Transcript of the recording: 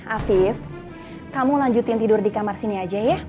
afif kamu lanjutin tidur di kamar sini aja ya